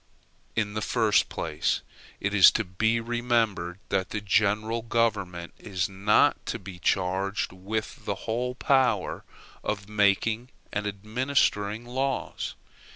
In the first place it is to be remembered that the general government is not to be charged with the whole power of making and administering laws.